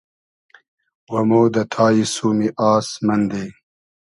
و مۉ دۂ تایی سومی آس مئندی